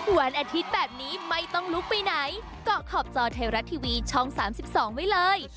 วันอาทิตย์แบบนี้ไม่ต้องลุกไปไหนเกาะขอบจอไทยรัฐทีวีช่อง๓๒ไว้เลย